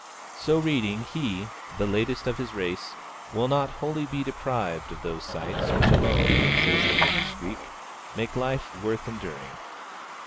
So reading, he, the latest of his race, will not wholly be deprived of those sights which alone (says the nameless Greek) make life worth enduring.